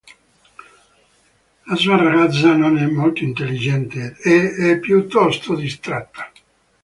La sua ragazza non è molto intelligente ed è piuttosto distratta.